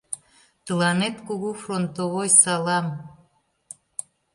Тыланет кугу фронтовой салам!